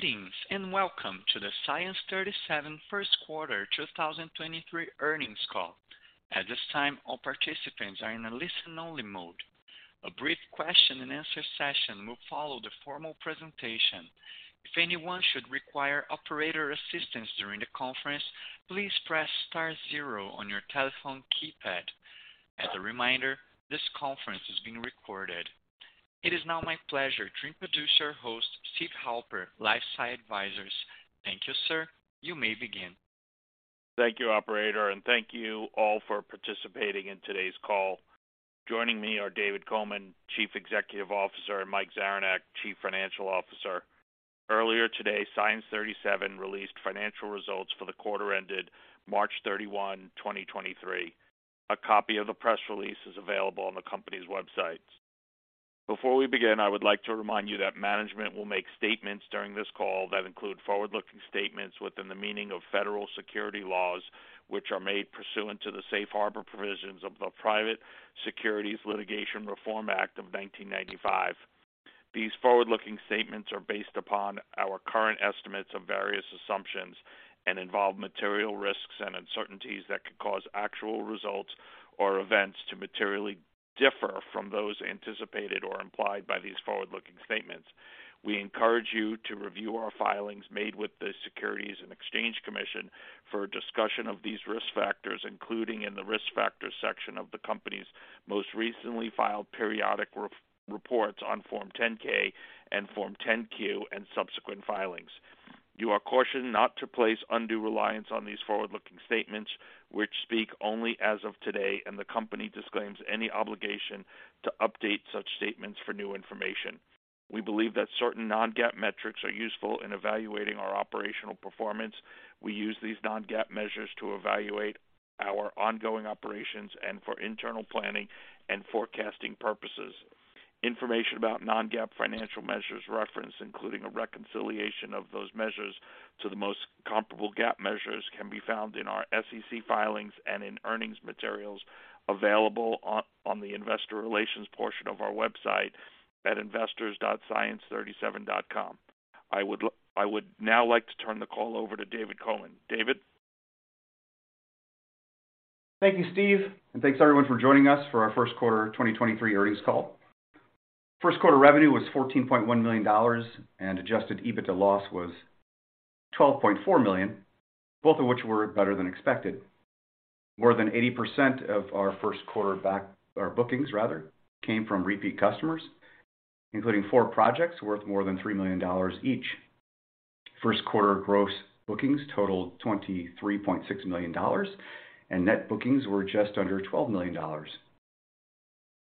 Greetings, welcome to the Science 37 First Quarter 2023 Earnings Call. At this time, all participants are in a listen-only mode. A brief question and answer session will follow the formal presentation. If anyone should require operator assistance during the conference, please press star zero on your telephone keypad. As a reminder, this conference is being recorded. It is now my pleasure to introduce our host, Steve Halper, LifeSci Advisors. Thank you, sir. You may begin. Thank you, operator, and thank you all for participating in today's call. Joining me are David Coman; Chief Executive Officer, and Mike Zaranek; Chief Financial Officer. Earlier today, Science 37 released financial results for the quarter ended March 31, 2023. A copy of the press release is available on the company's website. Before we begin, I would like to remind you that management will make statements during this call that include forward-looking statements within the meaning of federal security laws, which are made pursuant to the Safe Harbor provisions of the Private Securities Litigation Reform Act of 1995. These forward-looking statements are based upon our current estimates of various assumptions and involve material risks and uncertainties that could cause actual results or events to materially differ from those anticipated or implied by these forward-looking statements. We encourage you to review our filings made with the Securities and Exchange Commission for a discussion of these risk factors, including in the Risk Factors section of the company's most recently filed periodic reports on Form 10-K and Form 10-Q, and subsequent filings. You are cautioned not to place undue reliance on these forward-looking statements which speak only as of today, and the company disclaims any obligation to update such statements for new information. We believe that certain non-GAAP metrics are useful in evaluating our operational performance. We use these non-GAAP measures to evaluate our ongoing operations and for internal planning and forecasting purposes. Information about non-GAAP financial measures referenced, including a reconciliation of those measures to the most comparable GAAP measures, can be found in our SEC filings and in earnings materials available on the investor relations portion of our website at investors.science37.com. I would now like to turn the call over to David Coman. David. Thank you, Steve, and thanks everyone for joining us for our First Quarter 2023 Earnings Call. First quarter revenue was $14.1 million, and adjusted EBITDA loss was $12.4 million, both of which were better than expected. More than 80% of our first quarter bookings rather, came from repeat customers, including 4 projects worth more than $3 million each. First quarter gross bookings totaled $23.6 million, and net bookings were just under $12 million.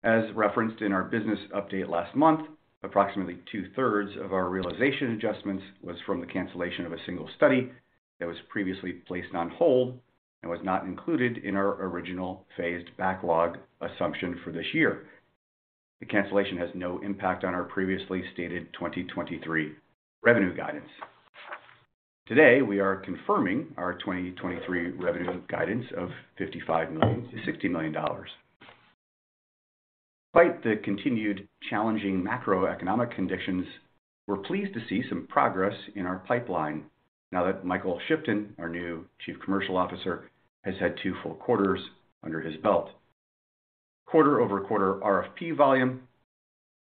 As referenced in our business update last month, approximately two-thirds of our realization adjustments was from the cancellation of a single study that was previously placed on hold and was not included in our original phased backlog assumption for this year. The cancellation has no impact on our previously stated 2023 revenue guidance. Today, we are confirming our 2023 revenue guidance of $55-60 million. Despite the continued challenging macroeconomic conditions, we're pleased to see some progress in our pipeline now that Michael Shipton, our new Chief Commercial Officer, has had two, full quarters under his belt. Quarter-over-quarter RFP volume--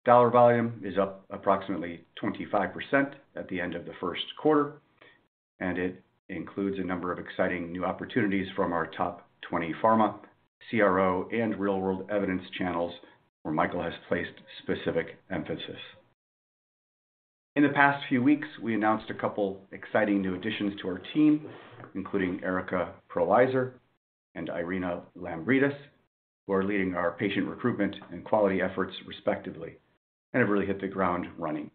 dollar volume is up approximately 25% at the end of the 1st quarter, and it includes a number of exciting new opportunities from our top 20 pharma CRO and real-world evidence channels, where Michael has placed specific emphasis. In the past few weeks, we announced a couple exciting new additions to our team, including Erica Prowisor and Irena Lambridis, who are leading our patient recruitment and quality efforts respectively, and have really hit the ground running.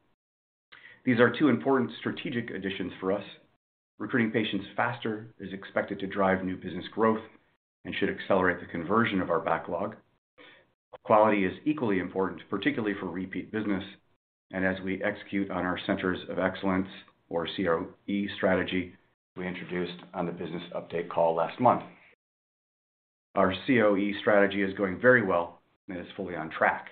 These are two important strategic additions for us. Recruiting patients faster is expected to drive new business growth and should accelerate the conversion of our backlog. Quality is equally important, particularly for repeat business and as we execute on our centers of excellence or COE strategy we introduced on the business update call last month. Our COE strategy is going very well and is fully on track.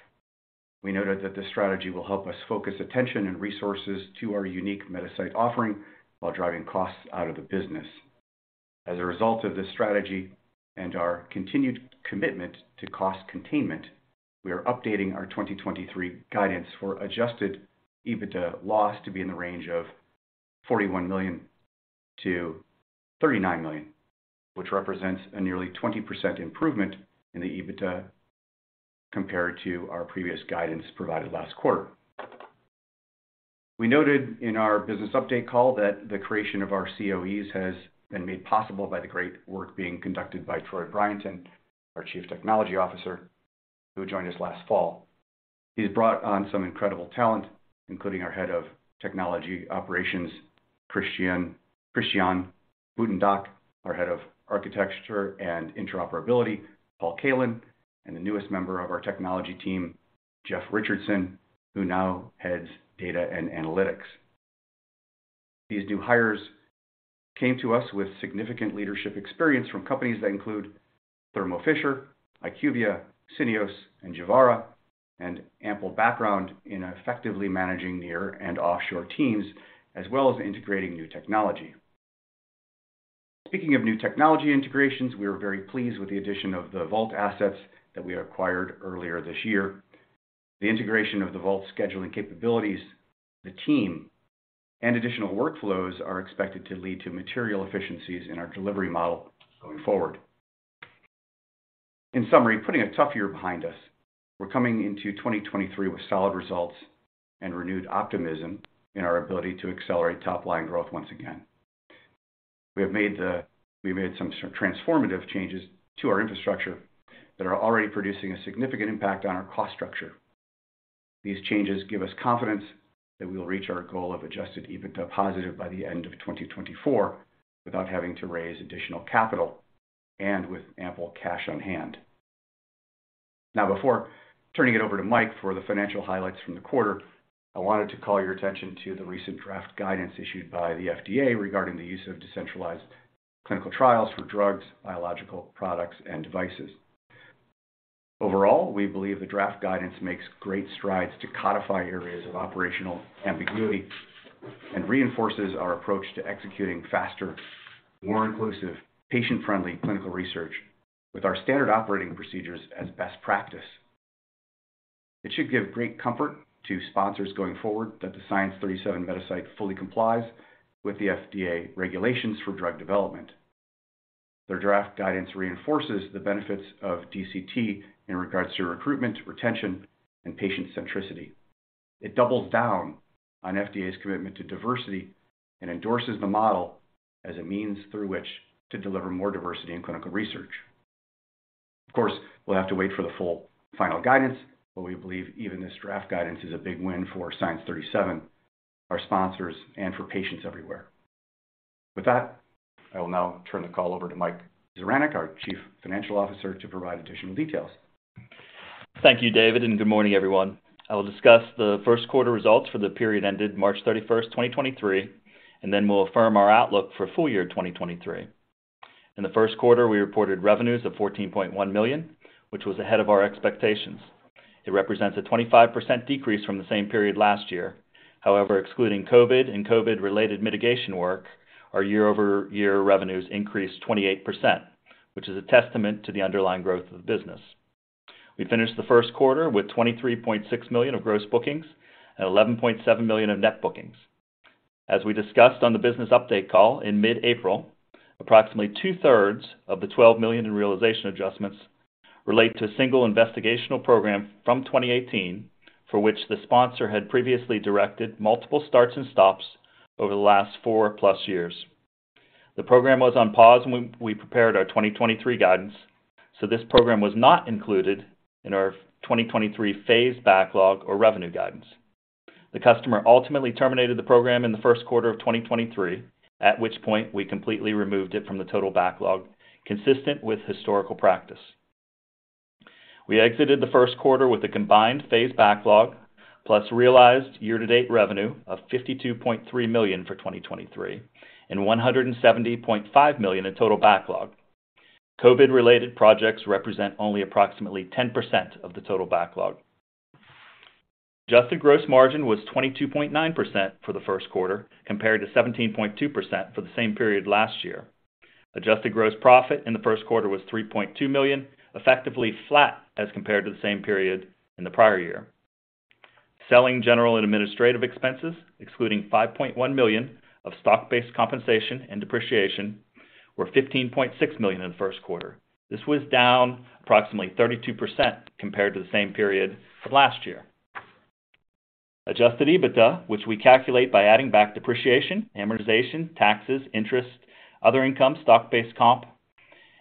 We noted that this strategy will help us focus attention and resources to our unique Metasite offering while driving costs out of the business. As a result of this strategy and our continued commitment to cost containment, we are updating our 2023 guidance for adjusted EBITDA loss to be in the range of $41 -39 million, which represents a nearly 20% improvement in the EBITDA compared to our previous guidance provided last quarter. We noted in our business update call that the creation of our COEs has been made possible by the great work being conducted by Troy Bryenton; our Chief Technology Officer, who joined us last fall. He's brought on some incredible talent, including our Head of Technology Operations, Christian Budendieck, our Head of Architecture and Interoperability, Paul Kalin, and the newest member of our technology team, Jeff Richardson, who now heads data and analytics. These new hires came to us with significant leadership experience from companies that include Thermo Fisher, IQVIA, Syneos, and Gevara, and ample background in effectively managing near and offshore teams, as well as integrating new technology. Speaking of new technology integrations, we are very pleased with the addition of the Vault assets that we acquired earlier this year. The integration of the Vault scheduling capabilities, the team, and additional workflows are expected to lead to material efficiencies in our delivery model going forward. In summary, putting a tough year behind us, we're coming into 2023 with solid results and renewed optimism in our ability to accelerate top-line growth once again. We made some sort of transformative changes to our infrastructure that are already producing a significant impact on our cost structure. These changes give us confidence that we will reach our goal of adjusted EBITDA positive by the end of 2024 without having to raise additional capital and with ample cash on hand. Before turning it over to Mike for the financial highlights from the quarter, I wanted to call your attention to the recent draft guidance issued by the FDA regarding the use of decentralized clinical trials for drugs, biological products, and devices. Overall, we believe the draft guidance makes great strides to codify areas of operational ambiguity and reinforces our approach to executing faster, more inclusive, patient-friendly clinical research with our standard operating procedures as best practice. It should give great comfort to sponsors going forward that the Science 37 Metasite fully complies with the FDA regulations for drug development. Their draft guidance reinforces the benefits of DCT in regards to recruitment, retention, and patient centricity. It doubles down on FDA's commitment to diversity and endorses the model as a means through which to deliver more diversity in clinical research. Of course, we'll have to wait for the full final guidance, but we believe even this draft guidance is a big win for Science 37, our sponsors, and for patients everywhere. With that, I will now turn the call over to Mike Zaranek; our Chief Financial Officer, to provide additional details. Thank you, David, and good morning, everyone. I will discuss the first quarter results for the period ended March 31, 2023, and then we'll affirm our outlook for full year 2023. In the first quarter, we reported revenues of $14.1 million, which was ahead of our expectations. It represents a 25% decrease from the same period last year. However, excluding COVID and COVID-related mitigation work, our year-over-year revenues increased 28%, which is a testament to the underlying growth of the business. We finished the first quarter with $23.6 million of gross bookings and $11.7 million in net bookings. We discussed on the business update call in mid-April, approximately two-thirds of the $12 million in realization adjustments relate to a single investigational program from 2018, for which the sponsor had previously directed multiple starts and stops over the last 4+ years. The program was on pause when we prepared our 2023 guidance, this program was not included in our 2023 phased backlog or revenue guidance. The customer ultimately terminated the program in the first quarter of 2023, at which point we completely removed it from the total backlog, consistent with historical practice. We exited the first quarter with a combined phased backlog plus realized year-to-date revenue of $52.3 million for 2023 and $170.5 million in total backlog. COVID-related projects represent only approximately 10% of the total backlog. Adjusted gross margin was 22.9% for the first quarter, compared to 17.2% for the same period last year. Adjusted gross profit in the first quarter was $3.2 million, effectively flat as compared to the same period in the prior year. Selling, general, and administrative expenses, excluding $5.1 million of stock-based compensation and depreciation, were $15.6 million in the first quarter. This was down approximately 32% compared to the same period of last year. Adjusted EBITDA, which we calculate by adding back depreciation, amortization, taxes, interest, other income, stock-based comp,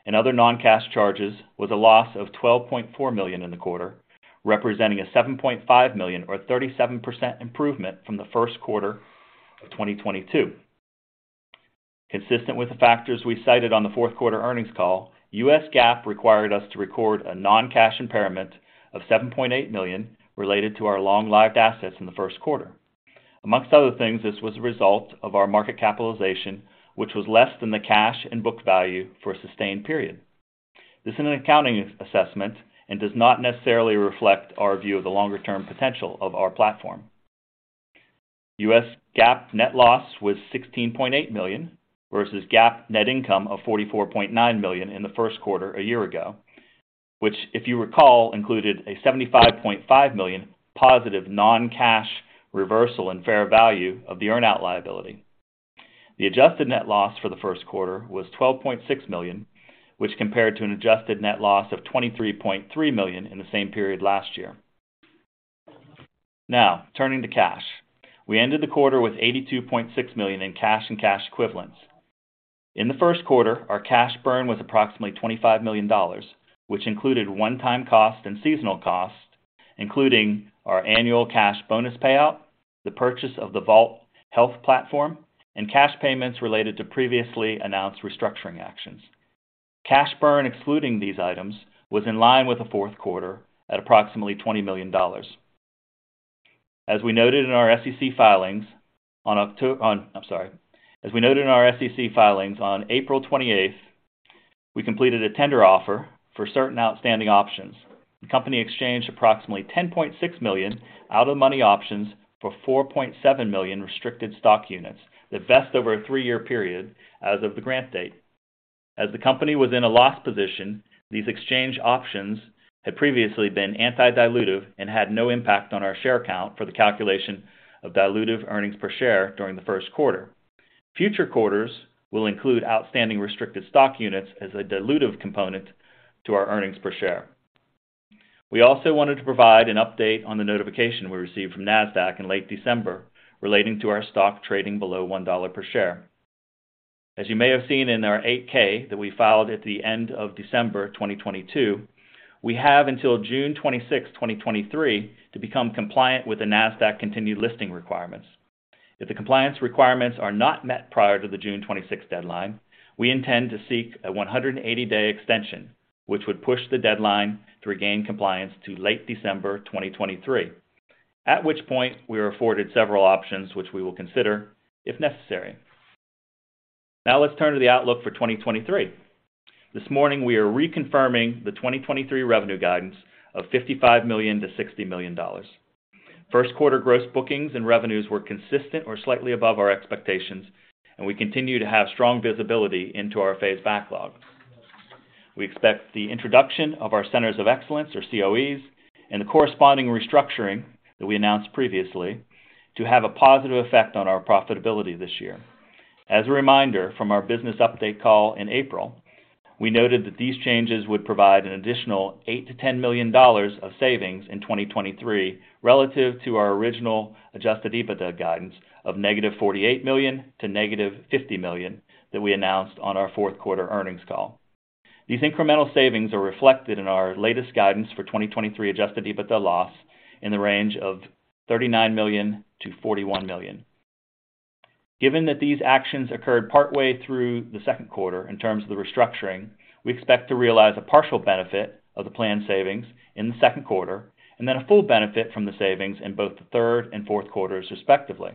and other non-cash charges, was a loss of $12.4 million in the quarter, representing a $7.5 million or 37% improvement from the first quarter of 2022. Consistent with the factors we cited on the fourth quarter earnings call, U.S. GAAP required us to record a non-cash impairment of $7.8 million related to our long-lived assets in the first quarter. Among other things, this was a result of our market capitalization, which was less than the cash and book value for a sustained period. This is an accounting assessment and does not necessarily reflect our view of the longer-term potential of our platform. U.S. GAAP net loss was $16.8 million versus GAAP net income of $44.9 million in the first quarter a year ago, which, if you recall, included a $75.5 million positive non-cash reversal in fair value of the earn-out liability. The adjusted net loss for the first quarter was $12.6 million, which compared to an adjusted net loss of $23.3 million in the same period last year. Turning to cash. We ended the quarter with $82.6 million in cash and cash equivalents. In the first quarter, our cash burn was approximately $25 million, which included one-time costs and seasonal cost, including our annual cash bonus payout, the purchase of the Vault Health platform, and cash payments related to previously announced restructuring actions. Cash burn excluding these items was in line with the fourth quarter at approximately $20 million. We noted in our SEC filings on April 28th, we completed a tender offer for certain outstanding options. The company exchanged approximately 10.6 million out of money options for 4.7 million restricted stock units that vest over a three-year period as of the grant date. As the company was in a loss position, these exchange options had previously been anti-dilutive and had no impact on our share count for the calculation of dilutive earnings per share during the first quarter. Future quarters will include outstanding restricted stock units as a dilutive component to our earnings per share. We also wanted to provide an update on the notification we received from Nasdaq in late December relating to our stock trading below $1 per share. As you may have seen in our 8-K that we filed at the end of December 2022, we have until June 26, 2023, to become compliant with the Nasdaq continued listing requirements. If the compliance requirements are not met prior to the June 26 deadline, we intend to seek a 180-day extension, which would push the deadline to regain compliance to late December 2023, at which point we are afforded several options, which we will consider if necessary. Let's turn to the outlook for 2023. This morning we are reconfirming the 2023 revenue guidance of $55 -60 million. First quarter gross bookings and revenues were consistent or slightly above our expectations, and we continue to have strong visibility into our phase backlog. We expect the introduction of our centers of excellence, or COEs and the corresponding restructuring that we announced previously to have a positive effect on our profitability this year. As a reminder from our business update call in April, we noted that these changes would provide an additional $8-10 million of savings in 2023 relative to our original adjusted EBITDA guidance of - $48 million to - $50 million that we announced on our fourth quarter earnings call. These incremental savings are reflected in our latest guidance for 2023 adjusted EBITDA loss in the range of $39 -41 million. Given that these actions occurred partway through the second quarter in terms of the restructuring, we expect to realize a partial benefit of the planned savings in the second quarter and then a full benefit from the savings in both the third and fourth quarters, respectively.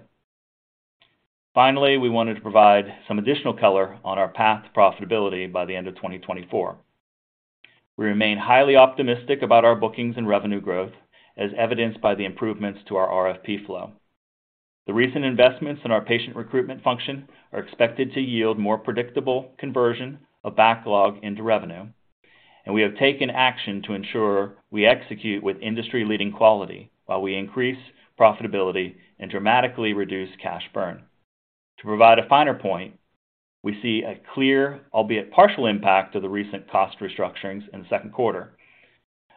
We wanted to provide some additional color on our path to profitability by the end of 2024. We remain highly optimistic about our bookings and revenue growth, as evidenced by the improvements to our RFP flow. The recent investments in our patient recruitment function are expected to yield more predictable conversion of backlog into revenue. We have taken action to ensure we execute with industry-leading quality while we increase profitability and dramatically reduce cash burn. To provide a finer point, we see a clear, albeit partial, impact of the recent cost restructurings in the second quarter.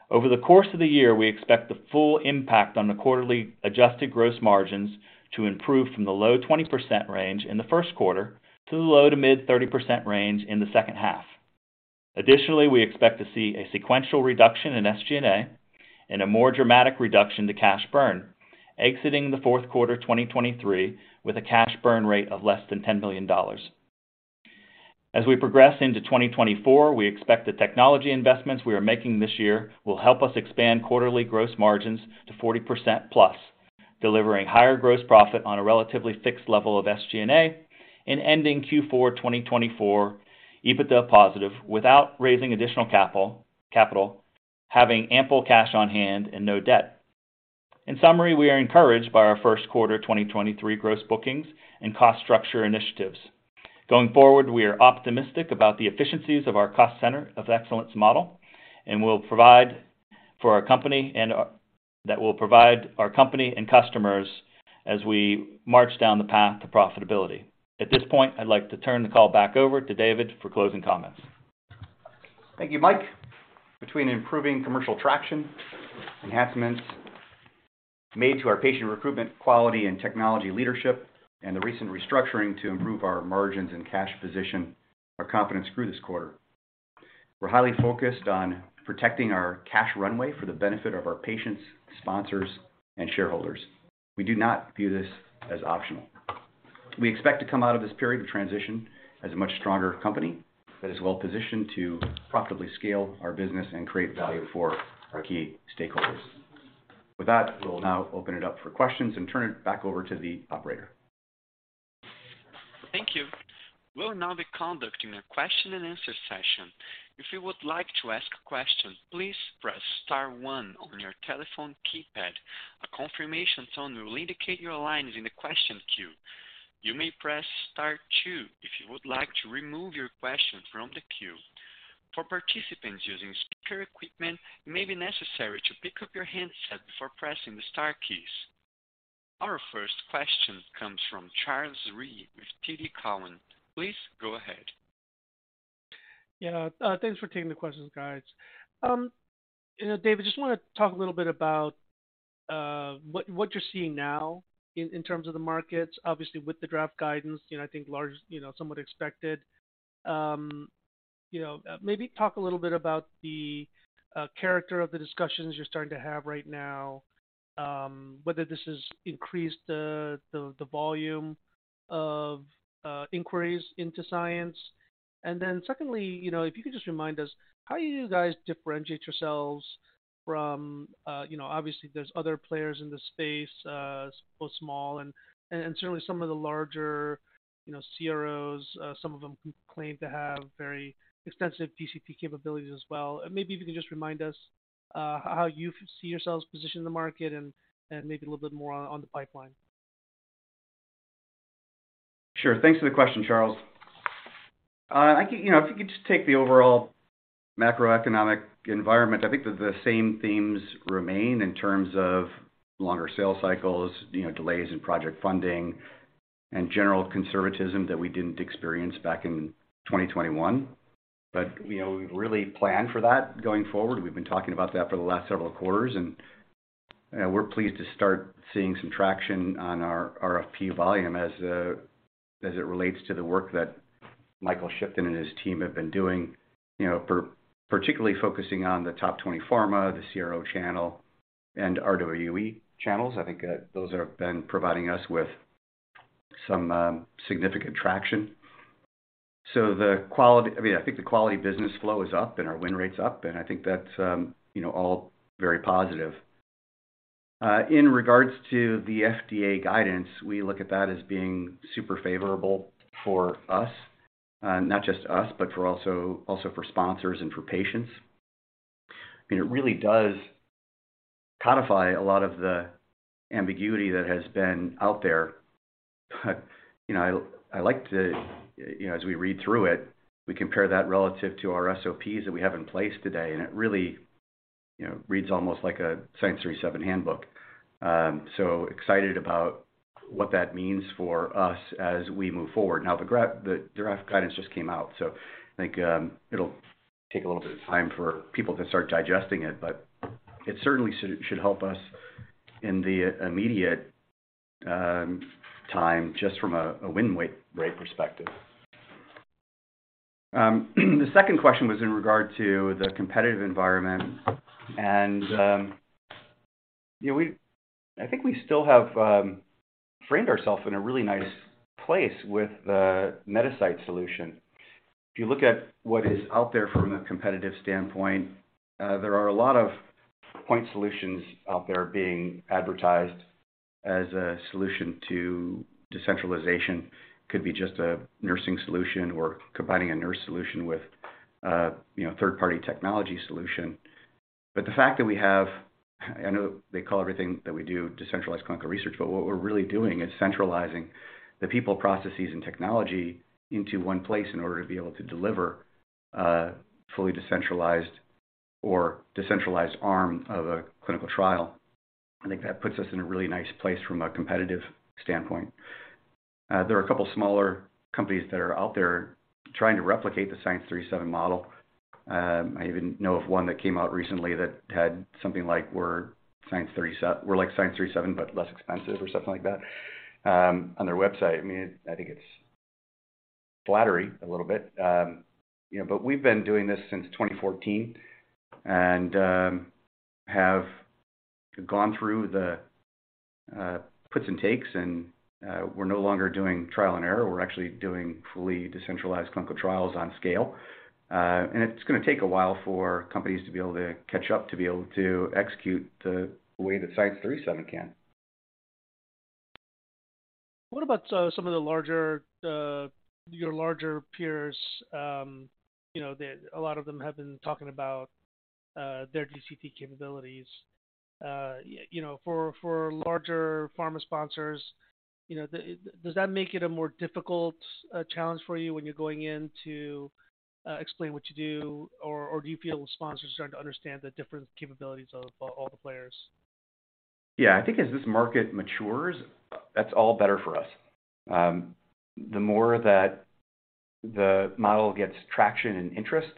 Over the course of the year, we expect the full impact on the quarterly adjusted gross margins to improve from the low 20% range in the first quarter to the low to mid 30% range in the second half. Additionally, we expect to see a sequential reduction in SG&A and a more dramatic reduction to cash burn exiting the fourth quarter 2023 with a cash burn rate of less than $10 million. As we progress into 2024, we expect the technology investments we are making this year will help us expand quarterly gross margins to 40%+, delivering higher gross profit on a relatively fixed level of SG&A and ending Q4 2024 EBITDA positive without raising additional capital, having ample cash on hand and no debt. In summary, we are encouraged by our first quarter 2023 gross bookings and cost structure initiatives. Going forward, we are optimistic about the efficiencies of our cost center of excellence model and that will provide our company and customers as we march down the path to profitability. At this point, I'd like to turn the call back over to David for closing comments. Thank you, Mike. Between improving commercial traction, enhancements made to our patient recruitment quality and technology leadership, and the recent restructuring to improve our margins and cash position, our confidence grew this quarter. We're highly focused on protecting our cash runway for the benefit of our patients, sponsors and shareholders. We do not view this as optional. We expect to come out of this period of transition as a much stronger company that is well positioned to profitably scale our business and create value for our key stakeholders. With that, we'll now open it up for questions and turn it back over to the operator. Thank you. We'll now be conducting a question-and-answer session. If you would like to ask a question, please press star one on your telephone keypad. A confirmation tone will indicate your line is in the question queue. You may press star two if you would like to remove your question from the queue. For participants using speaker equipment, it may be necessary to pick up your handset before pressing the star keys. Our first question comes from Charles Rhyee with TD Cowen. Please go ahead. Yeah, thanks for taking the questions, guys. David, just want to talk a little bit about what you're seeing now in terms of the markets. Obviously with the draft guidance, you know, I think large, you know, somewhat expected. Maybe talk a little bit about the character of the discussions you're starting to have right now, whether this has increased the volume of inquiries into Science 37. Secondly, you know, if you could just remind us, how you guys differentiate yourselves from, you know, obviously there's other players in this space, both small and certainly some of the larger, you know, CROs, some of them claim to have very extensive DCT capabilities as well. Maybe if you can just remind us, how you see yourselves positioned in the market and maybe a little bit more on the pipeline? Sure. Thanks for the question, Charles. You know, if you could just take the overall macroeconomic environment, I think that the same themes remain in terms of longer sales cycles, you know, delays in project funding, and general conservatism that we didn't experience back in 2021. You know, we really plan for that going forward. We've been talking about that for the last several quarters, and we're pleased to start seeing some traction on our RFP volume as it relates to the work that Michael Shipton and his team have been doing, you know, for particularly focusing on the top 20 pharma, the CRO channel, and RWE channels. I think those have been providing us with some significant traction. I mean, I think the quality business flow is up and our win rate's up, and I think that's, you know, all very positive. In regards to the FDA guidance, we look at that as being super favorable for us, not just us, but for also for sponsors and for patients. I mean, it really does codify a lot of the ambiguity that has been out there. You know, I like to, you know, as we read through it, we compare that relative to our SOPs that we have in place today, and it really, you know, reads almost like a Science 37 handbook. Excited about what that means for us as we move forward. The draft guidance just came out, so I think it'll take a little bit of time for people to start digesting it, but it certainly should help us in the immediate time just from a win rate perspective. The second question was in regard to the competitive environment. You know, I think we still have framed ourselves in a really nice place with the Metasite solution. If you look at what is out there from a competitive standpoint, there are a lot of point solutions out there being advertised as a solution to decentralization. Could be just a nursing solution or combining a nurse solution with, you know, a third-party technology solution. The fact that we have... I know they call everything that we do decentralized clinical research, but what we're really doing is centralizing the people, processes, and technology into one place in order to be able to deliver a fully decentralized or decentralized arm of a clinical trial. I think that puts us in a really nice place from a competitive standpoint. There are a couple of smaller companies that are out there trying to replicate the Science 37 model. I even know of one that came out recently that had something like we're like Science 37, but less expensive or something like that on their website. I mean, I think it's flattery a little bit. You know, we've been doing this since 2014 and have gone through the puts and takes and we're no longer doing trial and error. We're actually doing fully decentralized clinical trials on scale. It's gonna take a while for companies to be able to catch up, to be able to execute the way that Science 37 can. What about some of the larger, your larger peers, you know, that a lot of them have been talking about their DCT capabilities, you know, for larger pharma sponsors, you know, does that make it a more difficult challenge for you when you're going in to explain what you do? Or do you feel the sponsors are starting to understand the different capabilities of all the players? Yeah. I think as this market matures, that's all better for us. The more that the model gets traction and interest,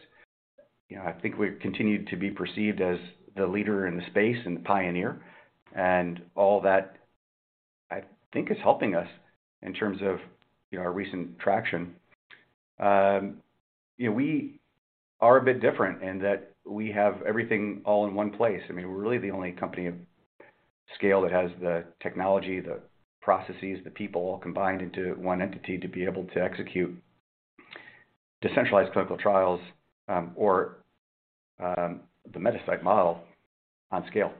you know, I think we continue to be perceived as the leader in the space and the pioneer, and all that, I think, is helping us in terms of, you know, our recent traction. You know, we are a bit different in that we have everything all in one place. I mean, we're really the only company of scale that has the technology, the processes, the people all combined into one entity to be able to execute decentralized clinical trials, or, the Metasite model on scale.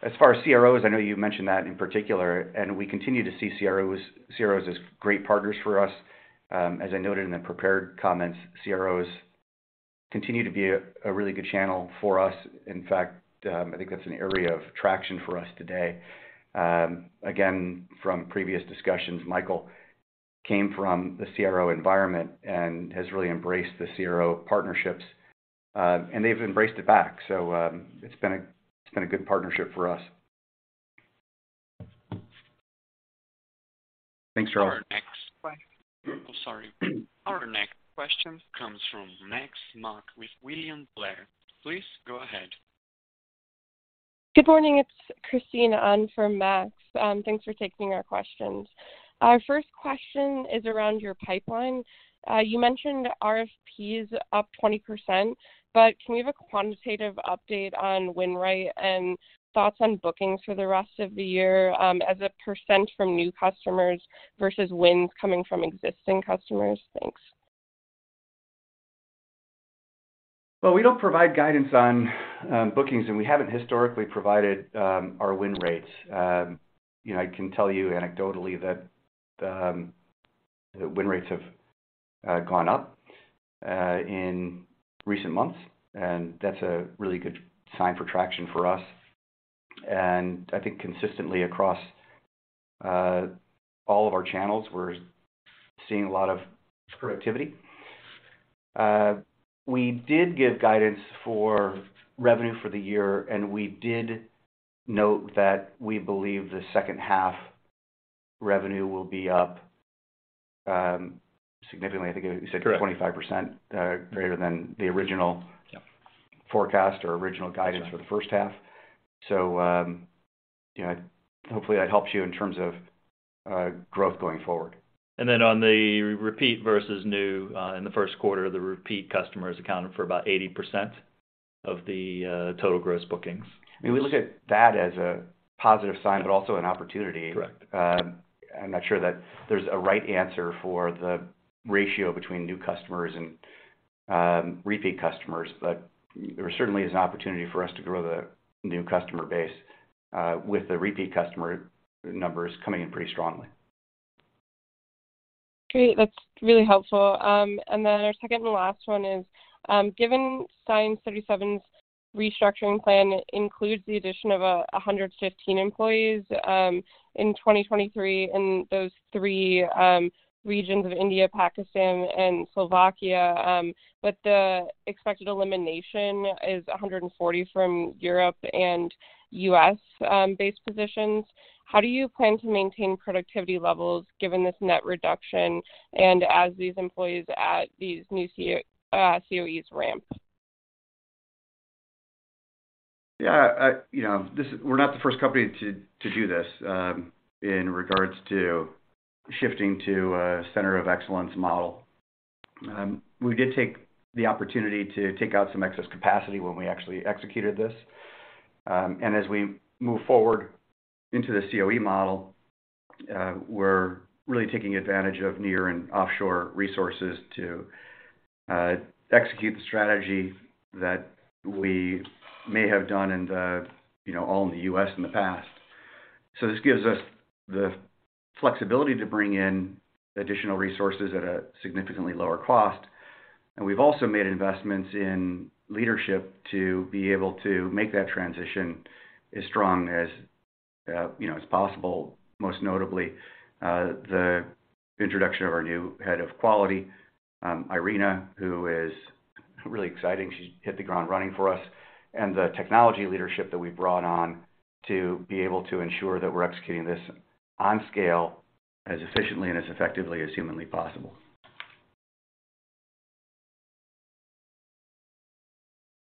As far as CROs, I know you mentioned that in particular, we continue to see CROs as great partners for us. As I noted in the prepared comments, CROs continue to be a really good channel for us. In fact, I think that's an area of traction for us today. Again, from previous discussions, Michael came from the CRO environment and has really embraced the CRO partnerships, and they've embraced it back. It's been a good partnership for us. Thanks, Charles. Oh, sorry. Our next question comes from Maxx Chatsko with William Blair. Please go ahead. Good morning. It's Christine Ahn for Maxx. Thanks for taking our questions. Our first question is around your pipeline. You mentioned RFPs up 20%. Can we have a quantitative update on win rate and thoughts on bookings for the rest of the year as a percent from new customers versus wins coming from existing customers? Thanks. Well, we don't provide guidance on bookings, and we haven't historically provided our win rates. You know, I can tell you anecdotally that the win rates have gone up in recent months, and that's a really good sign for traction for us. I think consistently across all of our channels, we're seeing a lot of productivity. We did give guidance for revenue for the year, and we did note that we believe the second half revenue will be up significantly. I think you said 25% greater than the original- Yeah. -forecast or original guidance for the first half. you know, hopefully that helps you in terms of growth going forward. On the repeat versus new, in the first quarter, the repeat customers accounted for about 80% of the total gross bookings. We look at that as a positive sign, but also an opportunity. Correct. I'm not sure that there's a right answer for the ratio between new customers and repeat customers, but there certainly is an opportunity for us to grow the new customer base, with the repeat customer numbers coming in pretty strongly. Great. That's really helpful. Our second and last one is that the given Science 37's restructuring plan includes the addition of 115 employees in 2023 in those three regions of India, Pakistan, and Slovakia, but the expected elimination is 140 from Europe and U.S.-based positions. How do you plan to maintain productivity levels given this net reduction and as these employees at these new COEs ramp? Yeah, you know, this is, we're not the first company to do this in regards to shifting to a center of excellence model. We did take the opportunity to take out some excess capacity when we actually executed this. As we move forward into the COE model, we're really taking advantage of near and offshore resources to execute the strategy that we may have done in the, you know, all in the U.S. in the past. This gives us the flexibility to bring in additional resources at a significantly lower cost. We've also made investments in leadership to be able to make that transition as strong as, you know, as possible, most notably, the introduction of our new head of quality, Irena, who is really exciting. She's hit the ground running for us. The technology leadership that we brought on to be able to ensure that we're executing this on scale as efficiently and as effectively as humanly possible.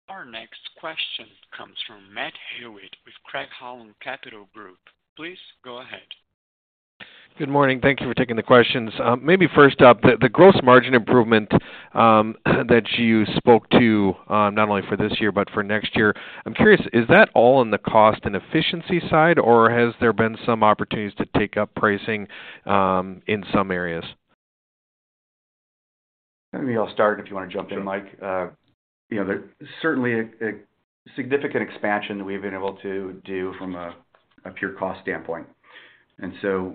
Our next question comes from Matthew Hewitt with Craig-Hallum Capital Group. Please go ahead. Good morning. Thank you for taking the questions. Maybe first up, the gross margin improvement that you spoke to, not only for this year, but for next year. I'm curious, is that all on the cost and efficiency side, or has there been some opportunities to take up pricing, in some areas? Maybe I'll start if you wanna jump in, Mike. You know, there's certainly a significant expansion that we've been able to do from a pure cost standpoint.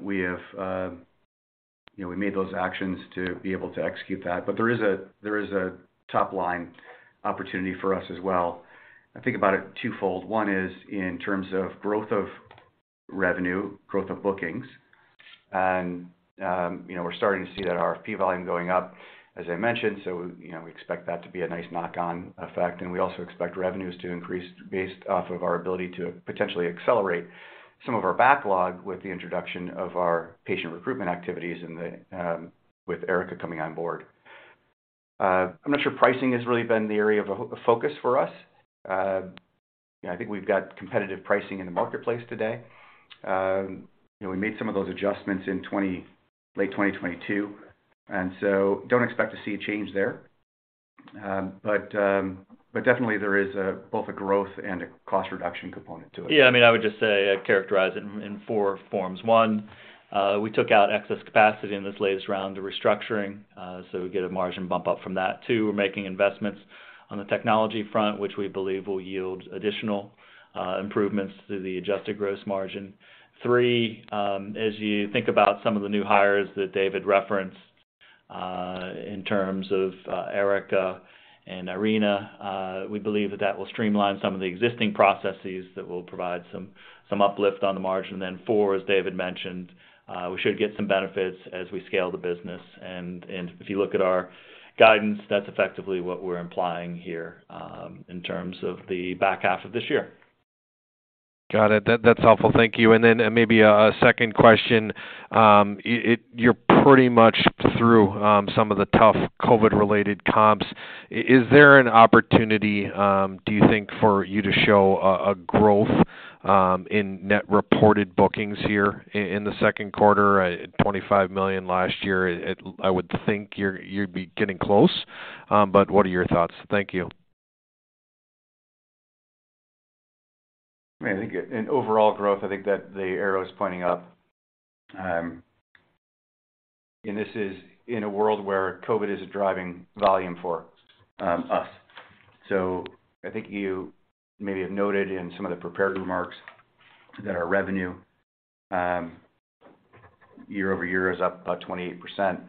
We have, you know, we made those actions to be able to execute that. There is a top line opportunity for us as well. I think about it twofold. One is in terms of growth of revenue, growth of bookings. Youtop-line know, we're starting to see that RFP volume going up, as I mentioned. You know, we expect that to be a nice knock-on, effect. We also expect revenues to increase based on our ability to potentially accelerate some of our backlog with the introduction of our patient recruitment activities and with Erica coming on board. I'm not sure pricing has really been the area of focus for us. You know, I think we've got competitive pricing in the marketplace today. You know, we made some of those adjustments in late 2022, and so don't expect to see a change there. Definitely there is both a growth and a cost reduction component to it. Yeah. I mean, I would just say I characterize it in four forms. One, we took out excess capacity in this latest round of restructuring, so we get a margin bump up from that. Two, we're making investments on the technology front, which we believe will yield additional improvements to the adjusted gross margin. Three, as you think about some of the new hires that David referenced, in terms of Erica and Irena, we believe that that will streamline some of the existing processes that will provide some uplift on the margin. Four, as David mentioned, we should get some benefits as we scale the business. If you look at our guidance, that's effectively what we're implying here, in terms of the back half of this year. Got it. That's helpful. Thank you. Maybe a second question. You're pretty much through some of the tough COVID-related comps. Is there an opportunity, do you think for you to show a growth in net reported bookings here in the second quarter, at $25 million last year? I would think you're, you'd be getting close. What are your thoughts? Thank you. I think in overall growth, I think that the arrow is pointing up. This is in a world where COVID is driving volume for us. I think you mayof have noted in some of the prepared remarks that our revenue year-over-year is up about 28%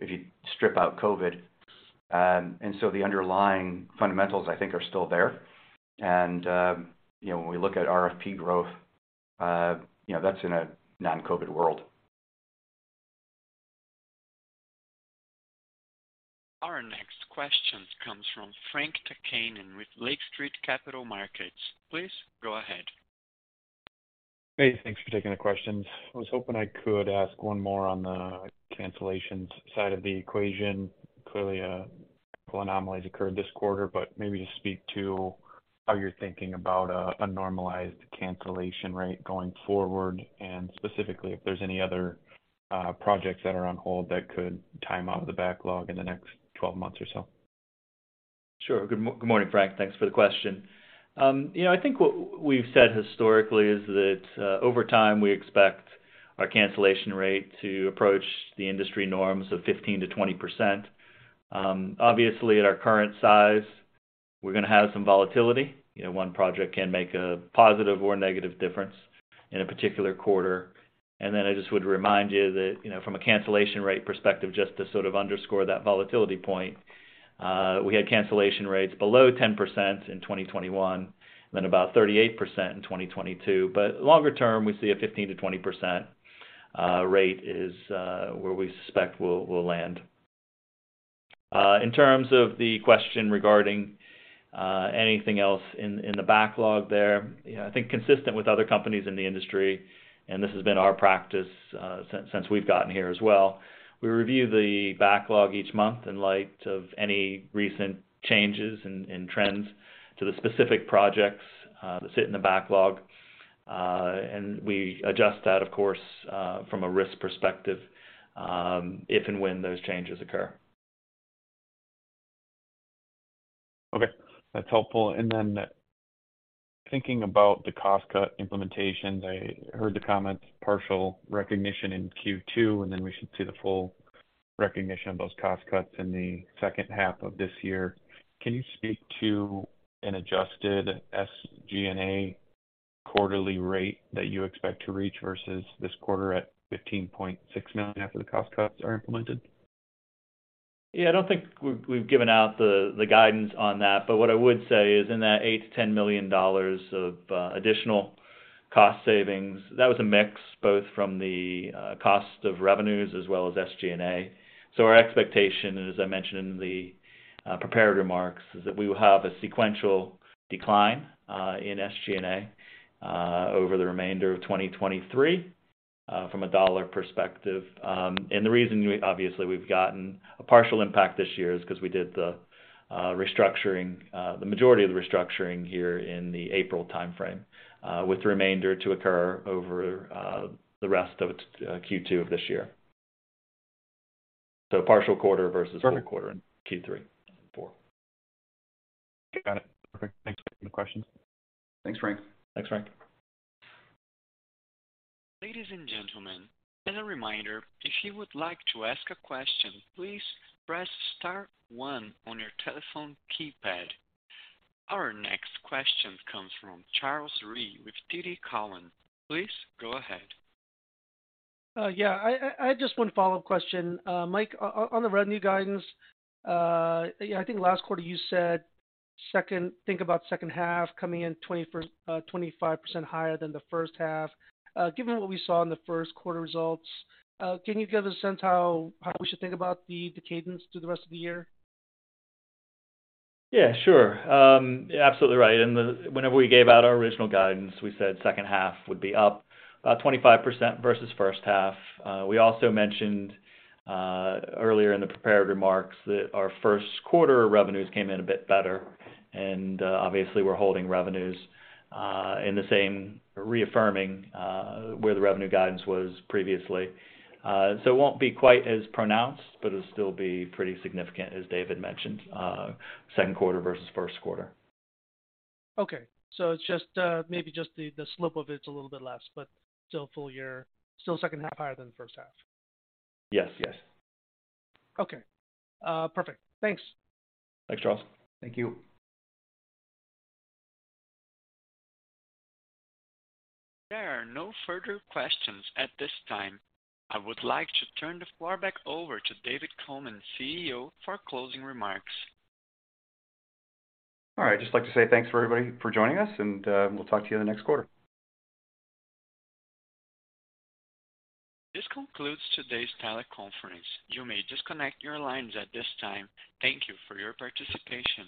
if you strip out COVID. The underlying fundamentals I think are still there. You know, when we look at RFP growth, you know, that's in a non-COVID world. Our next question comes from Frank Takkinen with Lake Street Capital Markets. Please go ahead. Hey, thanks for taking the questions. I was hoping I could ask one more on the cancellations side of the equation. Clearly, a couple anomalies occurred this quarter, but maybe just speak to how you're thinking about a normalized cancellation rate going forward, and specifically, if there's any other projects that are on hold that could time out of the backlog in the next 12 months or so. Sure. Good morning, Frank. Thanks for the question. You know, I think what we've said historically is that over time, we expect our cancellation rate to approach the industry norms of 15%-20%. Obviously, at our current size, we're gonna have some volatility. You know, one project can make a positive or negative difference in a particular quarter. I just would remind you that, you know, from a cancellation rate perspective, just to sort of underscore that volatility point, we had cancellation rates below 10% in 2021, and then about 38% in 2022. Longer term, we see a 15%-20% rate is where we suspect we'll land. In terms of the question regarding anything else in the backlog, you know, I think consistent with other companies in the industry, and this has been our practice since we've gotten here as well, we review the backlog each month in light of any recent changes and trends to the specific projects that sit in the backlog. We adjust that, of course, from a risk perspective, if and when those changes occur. Okay. That's helpful. Thinking about the cost-cut implementation, I heard the comments, partial recognition in Q2, and then we should see the full recognition of those cost cuts in the second half of this year. Can you speak to an adjusted SG&A quarterly rate that you expect to reach versus this quarter at $15.6 million after the cost cuts are implemented? Yeah. I don't think we've given out the guidance on that, but what I would say is in that $8 -10 million of additional cost savings, that was a mix of both from the cost of revenues as well as SG&A. Our expectation, as I mentioned in the prepared remarks, is that we will have a sequential decline in SG&A over the remainder of 2023 from a dollar perspective. The reason obviously, we've gotten a partial impact this year is 'cause we did the restructuring, the majority of the restructuring here in the April timeframe, with the remainder to occur over the rest of its Q2 of this year. Partial quarter versus. Perfect. Full quarter in Q3 and four. Got it. Perfect. Thanks for taking the questions. Thanks, Frank. Thanks, Frank. Ladies and gentlemen, as a reminder, if you would like to ask a question, please press star one on your telephone keypad. Our next question comes from Charles Rhyee with TD Cowen. Please go ahead. Yeah. I had just one follow-up question. Mike, on the revenue guidance, yeah, I think last quarter you said think about second half coming in 25% higher than the first half. Given what we saw in the first quarter results, can you give us a sense how we should think about the cadence through the rest of the year? Yeah, sure. Absolutely right. Whenever we gave out our original guidance, we said second half would be up about 25% versus first half. We also mentioned earlier in the prepared remarks that our first quarter revenues came in a bit better. Obviously, we're holding revenues, reaffirming where the revenue guidance was previously. It won't be quite as pronounced, but it'll still be pretty significant, as David mentioned, second quarter versus first quarter. It's just, maybe just the slope of it's a little bit less, but still full year. Still second half higher than the first half. Yes. Okay. Perfect. Thanks. Thanks, Charles. Thank you. There are no further questions at this time. I would like to turn the floor back over to David Coman; CEO, for closing remarks. All right. Just like to say thanks, everybody, for joining us, and, we'll talk to you in the next quarter. This concludes today's teleconference. You may disconnect your lines at this time. Thank you for your participation.